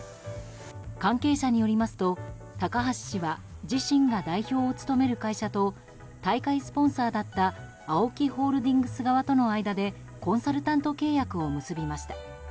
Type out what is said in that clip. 関係者によりますと高橋氏は自身が代表を務める会社と大会スポンサーだったＡＯＫＩホールディングス側との間でコンサルタント契約を結びました。